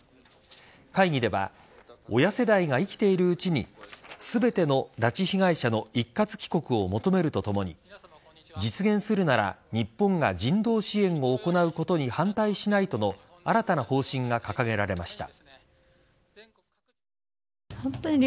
会議では親世代が生きているうちに全ての拉致被害者の一括帰国を求めるとともに実現するなら日本が人道支援を行うことに反対しないとの新たな方針が掲げられました。